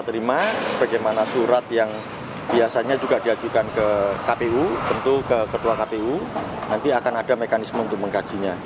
terima kasih surat yang biasanya juga diajukan ke kpu tentu ke ketua kpu nanti akan ada mekanisme untuk mengkajinya